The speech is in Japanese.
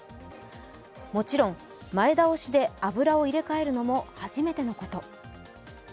もちろん、前倒しで油を入れ替えるのも初めてのこと。